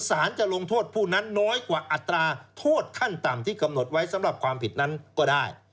สารจะลงโทษผู้นั้นน้อยกว่าอัตราโทษขั้นต่ำที่กำหนดไว้สำหรับความผิดนั้นก็ได้